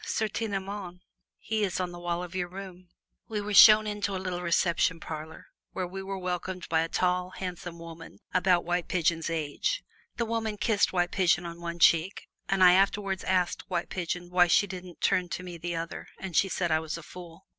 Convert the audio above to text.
"Certainement he is on the wall of your room." We were shown into a little reception parlor, where we were welcomed by a tall, handsome woman, about White Pigeon's age. The woman kissed White Pigeon on one cheek, and I afterwards asked White Pigeon why she didn't turn to me the other, and she said I was a fool.